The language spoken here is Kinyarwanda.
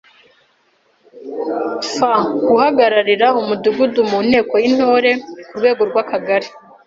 f. Guhagararira Umudugudu mu Nteko y’Intore ku rwego rw’Akagari;